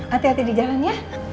hati hati di jalan ya